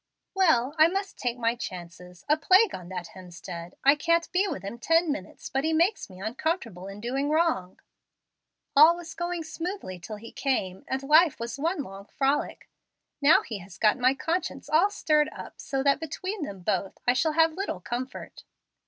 "Well, I must take my chances. A plague on that Hemstead! I can't be with him ten minutes but he makes me uncomfortable in doing wrong. All was going smoothly till he came, and life was one long frolic. Now he has got my conscience all stirred up so that between them both I shall have little comfort.